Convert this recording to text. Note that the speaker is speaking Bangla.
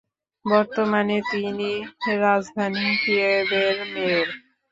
বর্তমানে তিনি রাজধানী কিয়েভের মেয়র।